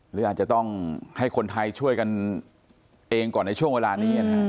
หรืออาจจะต้องให้คนไทยช่วยกันเองก่อนในช่วงเวลานี้